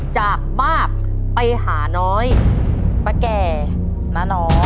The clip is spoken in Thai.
จากมาบไปหาน้อยปะแก่ณน้อแม่เผือกอับแล้วก็น้องแต่